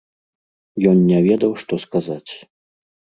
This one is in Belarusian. Ён не ведаў, што сказаць.